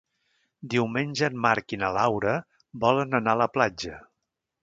Diumenge en Marc i na Laura volen anar a la platja.